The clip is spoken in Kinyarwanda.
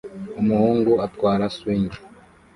Umuhungu atwara swing